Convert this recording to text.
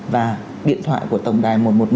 và điện thoại của tổng đài một trăm một mươi một